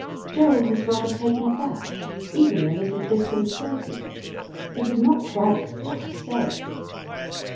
Gerald was rather taken aback, even a little disconcerted. He did not quite know what to say.